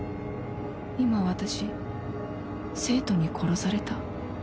今私生徒に殺された？